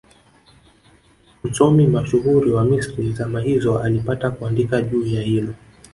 Msomi mashuhuri wa Misri zama hizo alipata kuandika juu ya hilo